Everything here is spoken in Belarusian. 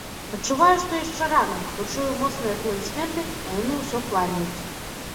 Адчуваю, што яшчэ рана, бо чую моцныя апладысменты, а яны ўсё кланяюцца.